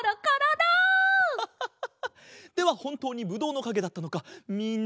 ではほんとうにぶどうのかげだったのかみんなにみせてあげよう。